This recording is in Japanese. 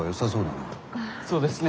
そうですね。